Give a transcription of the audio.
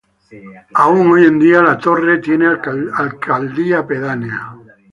Aún hoy en día, La Torre tiene alcaldía pedánea.